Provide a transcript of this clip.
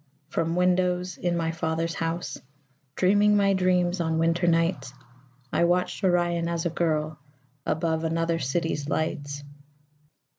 From windows in my father's house, Dreaming my dreams on winter nights, I watched Orion as a girl Above another city's lights.